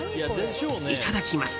いただきます。